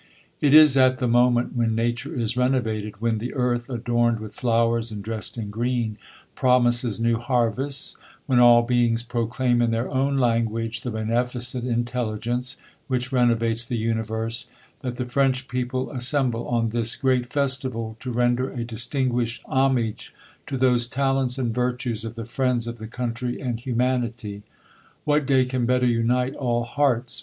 IT is at the moment when nature is renovated, when the earth, adorned with flowers and dressed in green, promises new harvests ; when all beini^s proclaim in their own language, the beneficent Intelligence which renovates the universe, that the French people assem ble, on this great festival, to render a distinguished hom age to those talents and virtues of the friends of the country and humanity. What day can better unite all hearts